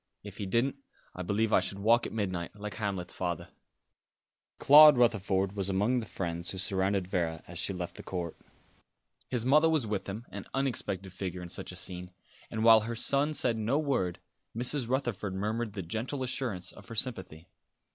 If he didn't, I believe I should walk at midnight, like Hamlet's father." Claude Rutherford was among the friends who surrounded Vera as she left the court. His mother was with him, an unexpected figure in such a scene; and while her son said no word, Mrs. Rutherford murmured the gentle assurance of her sympathy.